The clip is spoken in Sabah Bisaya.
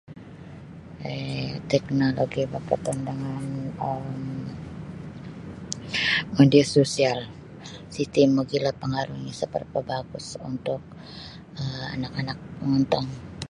um Teknoloji berkaitan dengan um media sosial siti mogilo pengaruhnyo isa barapa bagus untuk anak-anak mongontong.